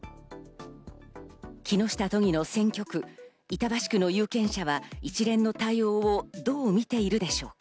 木下都議の選挙区・板橋区の有権者は一連の対応をどう見ているでしょうか。